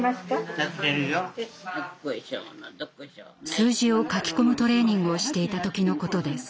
数字を書き込むトレーニングをしていた時のことです。